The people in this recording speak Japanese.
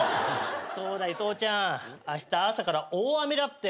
そうだ伊藤ちゃんあした朝から大雨だって。